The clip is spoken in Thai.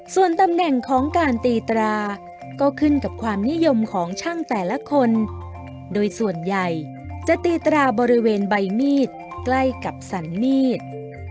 ส่วนตำแหน่งของการตีตราก็ขึ้นกับความนิยมของช่างแต่ละคนโดยส่วนใหญ่จะตีตราบริเวณใบมีดใกล้กับสันมีด